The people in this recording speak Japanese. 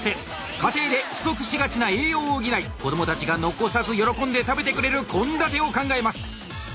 家庭で不足しがちな栄養を補い子どもたちが残さず喜んで食べてくれる献立を考えます。